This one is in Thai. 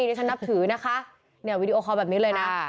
ดิฉันนับถือนะคะเนี่ยวีดีโอคอลแบบนี้เลยนะ